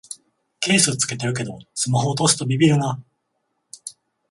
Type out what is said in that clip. ケース付けてるけどスマホ落とすとビビるな